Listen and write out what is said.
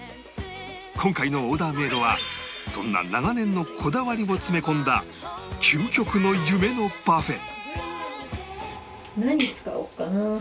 今回のオーダーメイドはそんな長年のこだわりを詰め込んだ究極の夢のパフェ